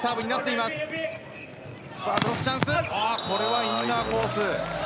これはインナーコース。